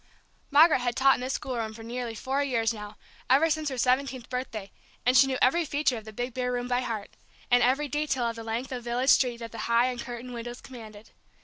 Margaret had taught in this schoolroom for nearly four years now, ever since her seventeenth birthday, and she knew every feature of the big bare room by heart, and every detail of the length of village street that the high, uncurtained windows commanded.